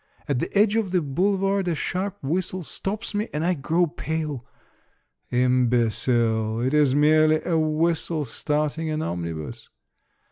At the edge of the boulevard a sharp whistle stops me, and I grow pale. Imbecile ! It is merely a whistle starting an omnibus.